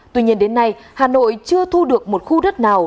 tuy nhiên đến nay hà nội chưa thu được một khu đất nào